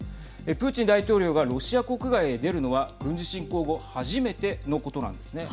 プーチン大統領がロシア国外へ出るのは軍事侵攻後初めてのことなんですね。